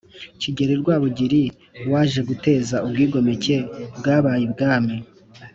Kigeri Rwabugiri waje guteza ubwigomeke bwabaye ibwami